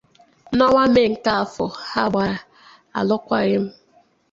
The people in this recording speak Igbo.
N'ọnwa Mee nke afọ, ha gbara alụkwaghịm.